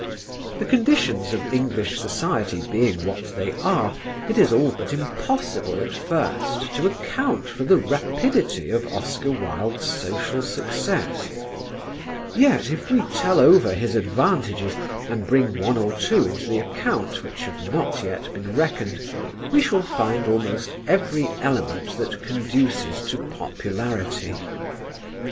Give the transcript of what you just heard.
The conditions of English society being what they are, it is all but impossible at first to account for the rapidity of Oscar Wilde's social success; yet if we tell over his advantages and bring one or two into the account which have not yet been reckoned, we shall find almost every element that conduces to popularity.